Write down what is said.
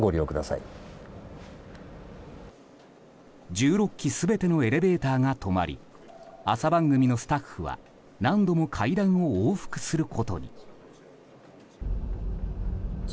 １６基全てのエレベーターが止まり朝番組のスタッフは何度も階段を往復することに。